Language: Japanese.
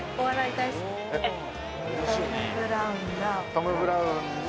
トム・ブラウンの。